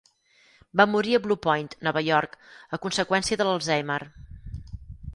Va morir a Blue Point, Nova York, a conseqüència de l'Alzheimer.